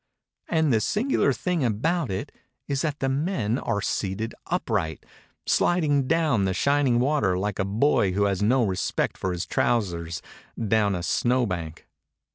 And the singular thing about It is that the men are seated upright, sliding down the shining water like a boy, who has no respect for his trousers, down a snow bank.